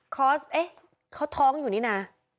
คอร์สเอ๊ะเขาท้องอยู่นี่นะ